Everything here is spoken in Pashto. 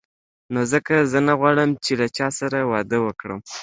نو ځکه زه نه غواړم چې له چا سره واده وکړم.